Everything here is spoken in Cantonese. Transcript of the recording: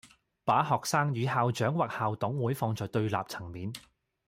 把學生與校長或校董會放在對立層面